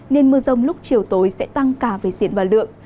nên mưa rông lúc chiều tối sẽ tăng cả về diện và lượng